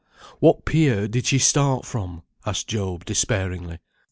"What pier did she start from?" asked Job, despairingly.